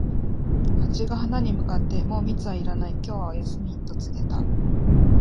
ハチが花に向かって、「もう蜜はいらない、今日はお休み」と告げた。